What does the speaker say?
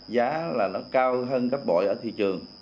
giá là nó cao hơn gấp bội ở thị trường